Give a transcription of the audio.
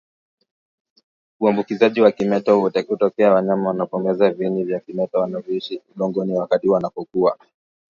Uambukizaji wa kimeta hutokea wanyama wanapomeza viini vya kimeta vinavyoishi udongoni wakati wanapokuwa